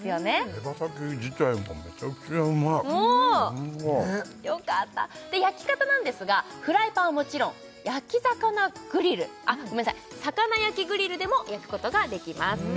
手羽先自体もむちゃくちゃうまいよかった焼き方なんですがフライパンはもちろん焼き魚グリルあっごめんなさい魚焼きグリルでも焼くことができます